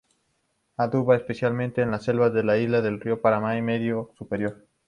Abunda especialmente en las selvas de las islas del río Paraná medio y superior.